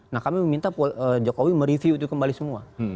nah kami meminta jokowi mereview itu kembali semua